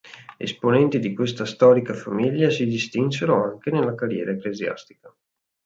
Esponenti di questa storica famiglia si distinsero anche nella carriera ecclesiastica.